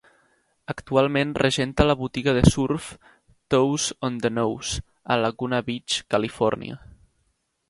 Actualment regenta la botiga de surf "Toes on the Nose" a Laguna Beach, Califòrnia.